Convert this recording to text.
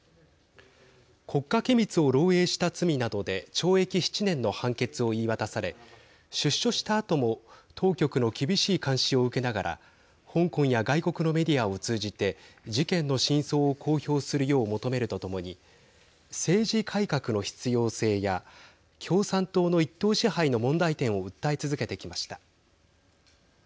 国家機密を漏えいした罪などで懲役７年の判決を言い渡され出所したあとも当局の厳しい監視を受けながら香港や外国のメディアを通じて事件の真相を公表するよう求めるとともに政治改革の必要性や共産党の一党支配の問題点を訴え続けてきました。